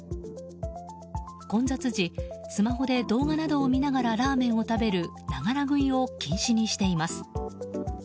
混雑時、スマホで動画などを見ながらラーメンを食べるながら食いを禁止にしています。